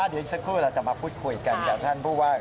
เดี๋ยวลุยซักครู่เราจะมาพูดคุยกันกับท่านบุธว่าค่ะ